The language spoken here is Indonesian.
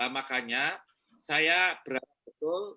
makanya saya berharap betul